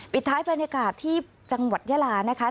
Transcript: ปิดท้ายบรรยากาศที่จังหวัดยาลานะคะ